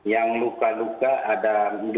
yang luka luka ada dua puluh sembilan